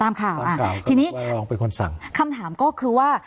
ตามข่าวทีนี้คำถามก็คือว่า